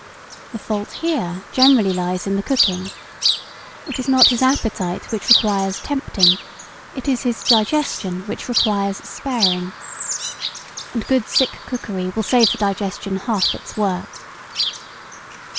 The fault here generally lies in the cooking. It is not his "appetite" which requires "tempting," it is his digestion which requires sparing. And good sick cookery will save the digestion half its work.